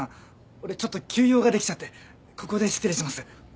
俺ちょっと急用ができちゃってここで失礼します。